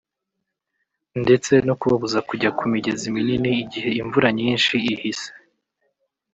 ndetse no kubabuza kujya ku migezi minini igihe imvura nyishi ihise